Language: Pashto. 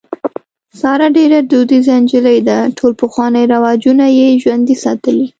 ساره ډېره دودیزه نجلۍ ده. ټول پخواني رواجونه یې ژوندي ساتلي.